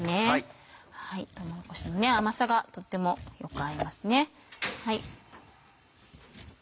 とうもろこしの甘さがとってもよく合いますね。